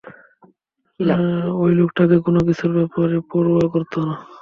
ওই লোকটা কোনোকিছুর ব্যাপারে পরোয়া করত না।